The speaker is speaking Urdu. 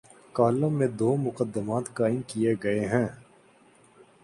کالم میں دومقدمات قائم کیے گئے ہیں۔